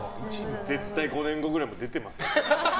絶対５年後ぐらいにも出てますよ。